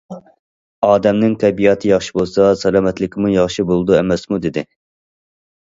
ئادەمنىڭ كەيپىياتى ياخشى بولسا، سالامەتلىكىمۇ ياخشى بولىدۇ ئەمەسمۇ، دېدى.